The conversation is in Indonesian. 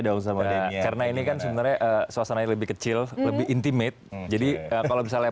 daun sama dia karena ini kan sebenarnya suasananya lebih kecil lebih intimate jadi kalau misalnya